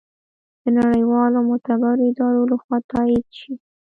د نړیوالو معتبرو ادارو لخوا تائید شي